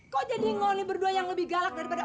kok jadi ngoni berdua yang lebih galak daripada oma